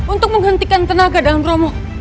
untuk menghentikan tenaga daun romo